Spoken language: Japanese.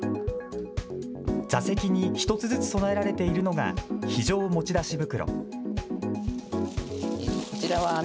座席に１つずつ備えられているのが非常持ち出し袋。